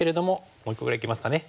もう１個ぐらいいけますかね。